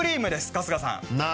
春日さん。